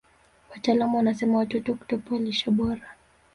wataalamu wanasema watoto kutopewa lishe bora